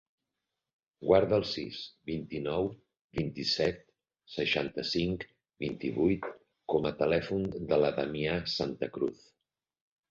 Guarda el sis, vint-i-nou, vint-i-set, seixanta-cinc, vint-i-vuit com a telèfon de la Damià Santa Cruz.